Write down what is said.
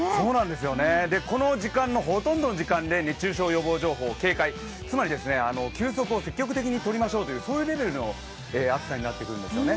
この時間のほとんどの時間で熱中症予防情報は警戒、つまり休息を積極的に取りましょうというレベルの暑さになってくるんですね。